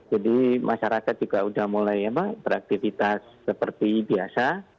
jadi masyarakat juga udah mulai interaktifitas seperti biasa